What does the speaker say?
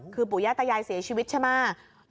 คือปู่ย่าตายายเสียชีวิตใช่ไหม